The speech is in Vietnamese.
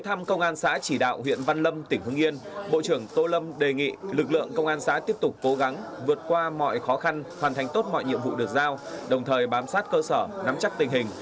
ân cần thăm hỏi động viên bộ trưởng tô lâm đã gửi tặng các phần quà tới các hộ có hoàn cảnh khó khăn gia đình chính sách có công với cách mạng